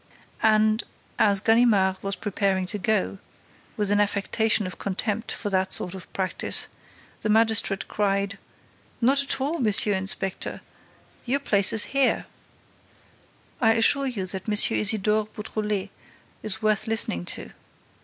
And, as Ganimard was preparing to go, with an affectation of contempt for that sort of practice, the magistrate cried, "Not at all, M. Inspector, your place is here—I assure you that M. Isidore Beautrelet is worth listening to.